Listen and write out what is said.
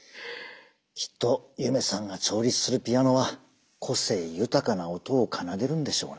きっと夢さんが調律するピアノは個性豊かな音を奏でるんでしょうね。